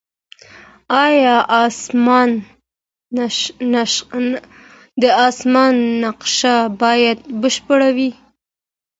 د اسمان نقشه باید بشپړه وي.